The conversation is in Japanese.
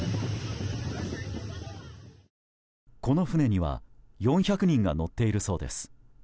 この船には４００人が乗っているそうです。